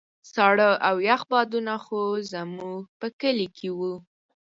ساړه او يخ بادونه خو زموږ په کلي کې وو.